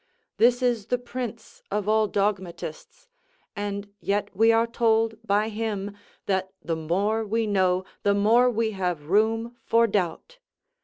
This is the prince of all dogmatists, and yet we are told by him that the more we know the more we have room for doubt.